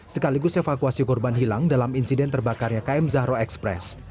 sekaligus evakuasi korban hilang dalam insiden terbakarnya km zahro express